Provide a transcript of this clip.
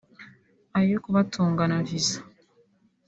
ayo kubatunga na viza